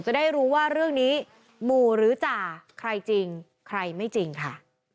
จะได้รู้ว่าเรื่องนี้หมู่หรือจ่าใครจริงใครไม่จริงค่ะ